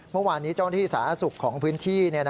เมื่อวานนี้เจ้าหน้าที่สาธารณสุขของพื้นที่